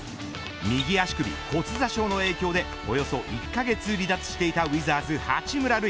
右足首骨挫傷の影響でおよそ１カ月離脱していたウィザーズ八村塁。